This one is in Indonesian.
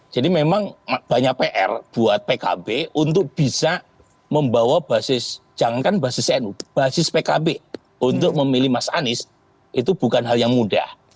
jadi memang banyak pr buat pkb untuk bisa membawa basis jangankan basis nu basis pkb untuk memilih mas anies itu bukan hal yang mudah